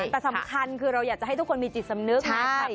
แต่สำคัญคือเราอยากจะให้ทุกคนมีจิตสำนึกนะ